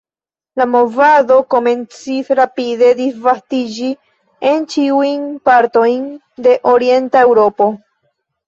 La movado komencis rapide disvastiĝi en ĉiujn partojn de orienta Eŭropo.